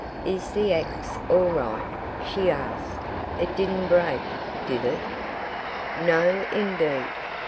"Is the axe all right?" she asked. "It didn't break, did it?" "No, indeed!"